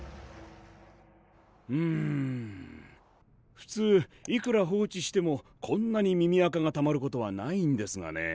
うむふつういくら放置してもこんなに耳あかがたまることはないんですがね。